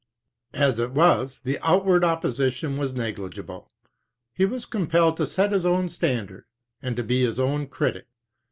As it was, the outward opposition was negligible; he was compelled to set his own standard and to be his own critic.